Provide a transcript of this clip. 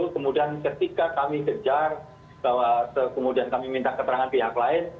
kemudian ketika kami kejar bahwa kemudian kami minta keterangan pihak lain